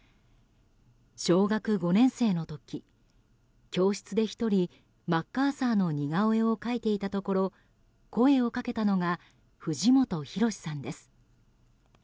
小学５年生の時、教室で一人マッカーサーの似顔絵を描いていたところ声をかけたのが藤本弘さんです。